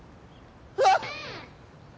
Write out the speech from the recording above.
あっ！